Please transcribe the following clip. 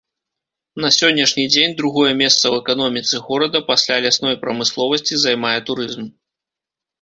На сённяшні дзень другое месца ў эканоміцы горада пасля лясной прамысловасці займае турызм.